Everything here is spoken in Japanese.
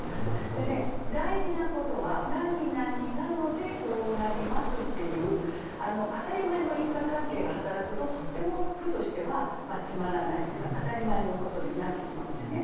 でね大事なことはなになになのでこうなりますっていう当たり前の因果関係が働くととっても句としてはつまらないというか当たり前のことになってしまうんですね。